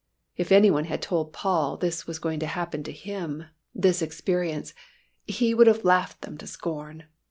If any one had told Paul this was going to happen to him, this experience, he would have laughed them to scorn.